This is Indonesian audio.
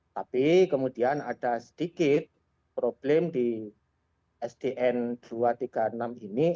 tapi kemudian ada sedikit problem di sdn dua ratus tiga puluh enam ini